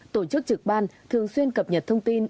tổ chức trực ban thường xuyên cập nhật thông tin